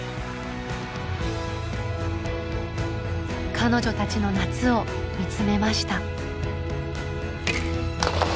彼女たちの夏を見つめました。